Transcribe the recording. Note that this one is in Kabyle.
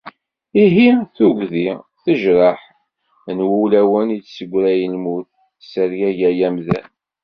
Ihi, tuggdi, tejreḥ n wulawen i d-tesseggray lmut, tessergagay amdan.